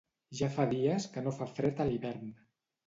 Ja fa dies que no fa fred a l'hivern.